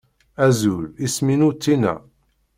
Azul, isem-inu Tina.